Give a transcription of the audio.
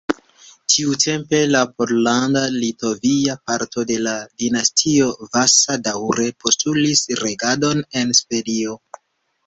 Tiutempe la pollanda-litovia parto de la dinastio Vasa daŭre postulis regadon en Svedio.